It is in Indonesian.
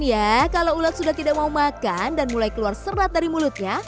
ya kalau ulat sudah tidak mau makan dan mulai keluar serat dari mulutnya